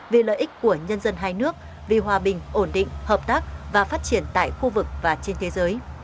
vì lợi ích của nhân dân hai nước vì hòa bình ổn định hợp tác và phát triển tại khu vực và trên thế giới